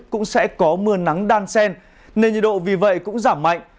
cũng sẽ có mưa nắng đan sen nên nhiệt độ vì vậy cũng giảm mạnh